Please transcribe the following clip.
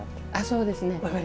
そうですね。